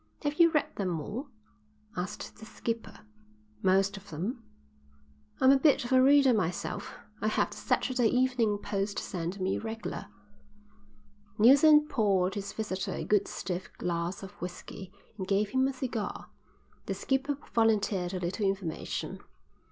"Have you read them all?" asked the skipper. "Most of them." "I'm a bit of a reader myself. I have the Saturday Evening Post sent me regler." Neilson poured his visitor a good stiff glass of whisky and gave him a cigar. The skipper volunteered a little information.